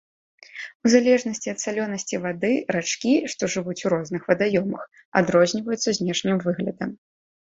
У залежнасці ад салёнасці вады рачкі, што жывуць у розных вадаёмах, адрозніваюцца знешнім выглядам.